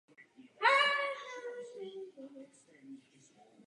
Podobně i v některých dalších velkých městech měly národní výbory vyšší pozici.